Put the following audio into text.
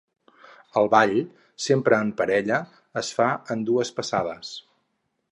El ball, sempre en parella, es fa en dues passades.